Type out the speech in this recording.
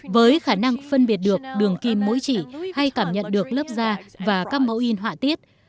với khả năng phân biệt được đường kim mũi chỉ hay cảm nhận được lớp da và các mẫu in họa tiết